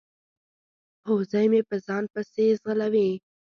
هوسۍ مې په ځان پسي ځغلوي